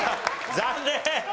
残念！